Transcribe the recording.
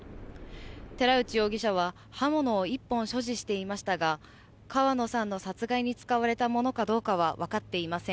寺内容疑者は刃物を１本所持していましたが川野さんの殺害に使われたものかどうかは分かっていません。